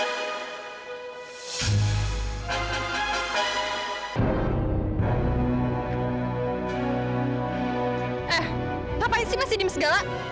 eh apaan sih masih diem segala